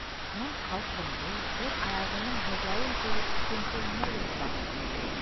Шунан ҡалҡынды, бер аяғының һыҙлауын тойоп, икенсеһенә генә баҫты.